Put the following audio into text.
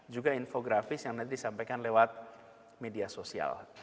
juga infografis yang nanti disampaikan lewat media sosial